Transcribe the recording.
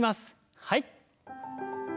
はい。